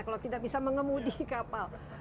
kalau tidak bisa mengemudi kapal